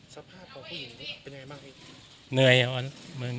สภาพของผู้หญิงเป็นยังไงบ้าง